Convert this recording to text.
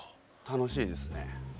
楽しいですね。